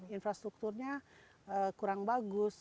infrastrukturnya kurang bagus